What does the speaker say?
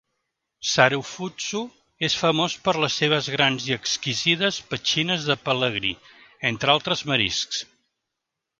Sarufutsu és famós per les seves grans i exquisides petxines de pelegrí, entre altres mariscs.